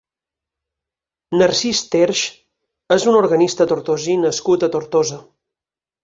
Narcís Terx és un organista tortosí nascut a Tortosa.